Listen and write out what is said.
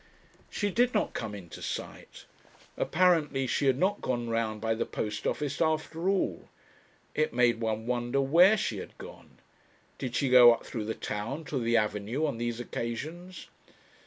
She did not come into sight. Apparently she had not gone round by the post office after all. It made one wonder where she had gone. Did she go up through the town to the avenue on these occasions?...